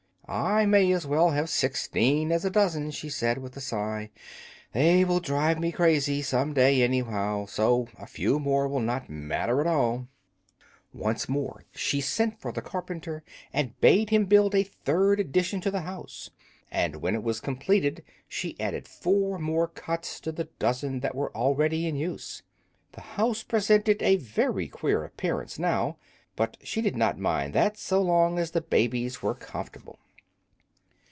"I may as well have sixteen as a dozen," she said, with a sigh; "they will drive me crazy some day, anyhow, so a few more will not matter at all!" Once more she sent for the carpenter, and bade him build a third addition to the house; and when it was completed she added four more cots to the dozen that were already in use. The house presented a very queer appearance now, but she did not mind that so long as the babies were comfortable.